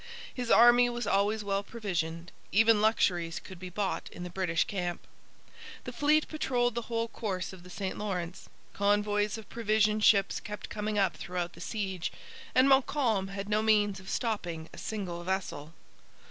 His army was always well provisioned; even luxuries could be bought in the British camp. The fleet patrolled the whole course of the St Lawrence; convoys of provision ships kept coming up throughout the siege, and Montcalm had no means of stopping a single vessel.